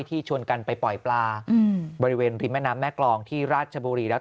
ชวนกันไปปล่อยปลาบริเวณริมแม่น้ำแม่กรองที่ราชบุรีแล้ว